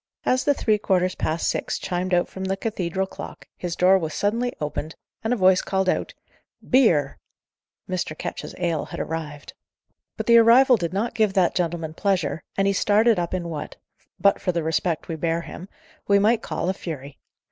As the three quarters past six chimed out from the cathedral clock, his door was suddenly opened, and a voice called out, "Beer!" Mr. Ketch's ale had arrived. But the arrival did not give that gentleman pleasure, and he started up in what, but for the respect we bear him, we might call a fury.